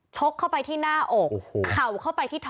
ชกเข้าไปที่หน้าอก